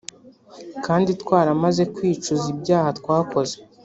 kandi twaramaze kwicuza ibyaha twakoze